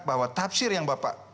bahwa tafsir yang bapak